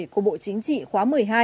của bộ chính trị khóa một mươi hai